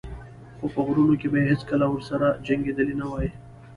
خو په غرونو کې به یې هېڅکله ورسره جنګېدلی نه وای.